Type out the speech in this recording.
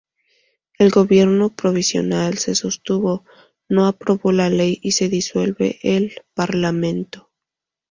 El Gobierno provisional se sostuvo, no aprobó la ley y se disuelve el Parlamento.